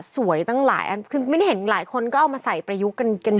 สวยตั้งหลายอันคือไม่ได้เห็นหลายคนก็เอามาใส่ประยุกต์กันเยอะ